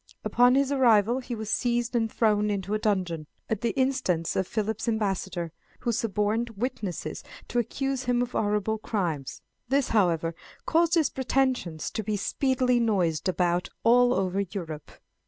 Upon his arrival, he was seized and thrown into a dungeon, at the instance of Philip's ambassador, who suborned witnesses to accuse him of horrible crimes. This, however, caused his pretensions to be speedily noised about all over Europe.